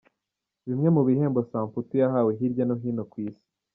Bimwe mu bihembo Samputu yahawe hirya no hino ku isi :.